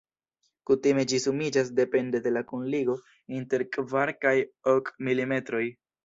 Kutime ĝi sumiĝas depende de la kunligo inter kvar kaj ok milimetroj.